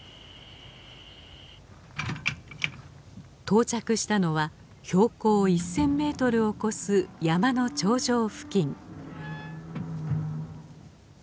到着したのは標高１，０００ｍを超す山の頂上付近。